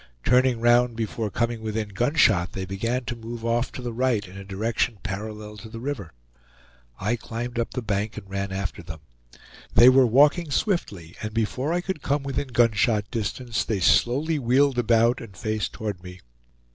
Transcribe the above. Turning round before coming within gunshot, they began to move off to the right in a direction parallel to the river. I climbed up the bank and ran after them. They were walking swiftly, and before I could come within gunshot distance they slowly wheeled about and faced toward me.